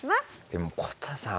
でもこたさん